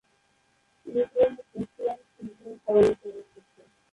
তিনি ছিলেন এক প্রুশিয়ান সিভিল কর্মচারীর পুত্র।